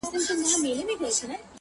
هغه بل موږك را ودانگل ميدان ته؛